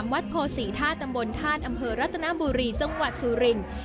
วัดโคศรีธาตุตำบลธาตุอำเภอรัตนบุรีจังหวัดสุรินทร์